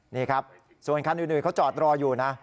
นี่ครับส่วนคันอื่นเขาจอดรออยู่นะ